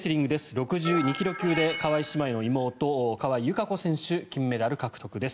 ６２ｋｇ級で川井姉妹の妹川井友香子選手金メダル獲得です。